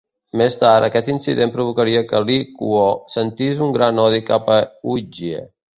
Més tard, aquest incident provocaria que Li Kuo sentís un gran odi cap a Huige.